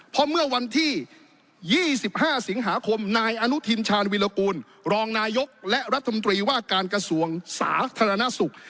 เพราะเมื่อวันที่๒๕สิงหาคมนายอนุทินชาญวิรากูลรองนายกและรัฐมนตรีว่าการกระทรวงสาธารณสุข